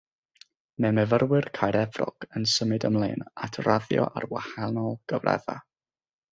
Mae myfyrwyr Caerefrog yn symud ymlaen at raddio ar wahanol gyfraddau.